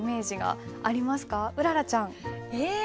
うららちゃん。え？